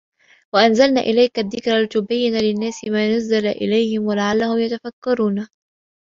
وَأَنْزَلْنَا إلَيْك الذِّكْرَ لِتُبَيِّنَّ لِلنَّاسِ مَا نُزِّلَ إلَيْهِمْ وَلَعَلَّهُمْ يَتَفَكَّرُونَ